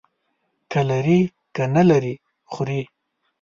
که لري، که نه لري، خوري.